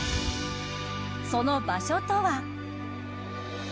その場所とは。